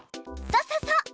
そうそうそう！